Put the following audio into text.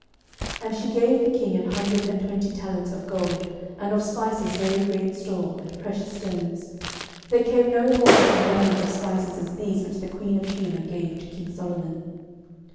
11:010:010 And she gave the king an hundred and twenty talents of gold, and of spices very great store, and precious stones: there came no more such abundance of spices as these which the queen of Sheba gave to king Solomon.